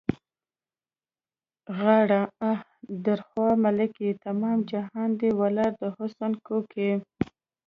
غاړه؛ آ، درخو ملکې! پر تمام جهان دې ولاړې د حُسن کوکې.